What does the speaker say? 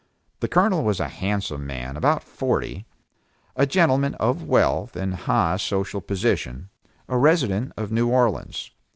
The Colonel was a handsome man about forty, a gentleman of wealth and high social position, a resident of New Orleans.